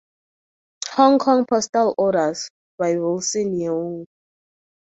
"Hong Kong Postal Orders" by Wilson Yeung.